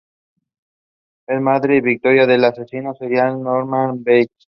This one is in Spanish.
Es madre y víctima del asesino serial Norman Bates.